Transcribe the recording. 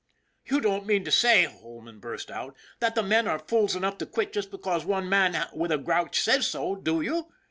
" You don't mean to say," Holman burst out, " that the men are fools enough to quit just because one man with a grouch says so, do you